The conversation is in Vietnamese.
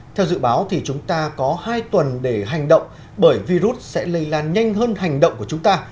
theo dự báo thì chúng ta có hai tuần để hành động bởi virus sẽ lây lan nhanh hơn hành động của chúng ta